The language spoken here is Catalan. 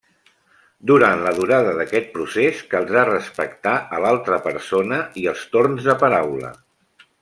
Durant la durada d'aquest procés, caldrà respectar a l'altra persona i els torns de paraula.